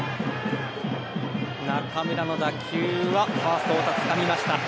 中村の打球ファーストの太田がつかみました。